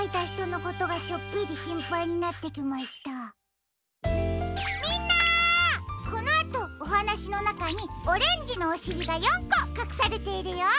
このあとおはなしのなかにオレンジのおしりが４こかくされているよ。